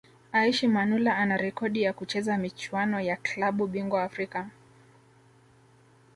Aishi Manula ana rekodi ya kucheza michuano ya klabu bingwa Afrika